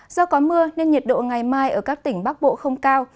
do có mưa nên nhiệt độ ngày mai ở các tỉnh bắc bộ không cao